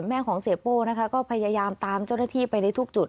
แม่ของเสียโป้นะคะก็พยายามตามเจ้าหน้าที่ไปในทุกจุด